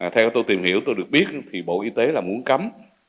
theo tôi tìm hiểu tôi được biết thì bộ y tế là muốn cấm